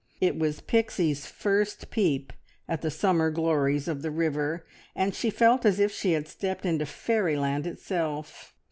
It was Pixie's first peep at the summer glories of the river, and she felt as if she had stepped into fairyland itself.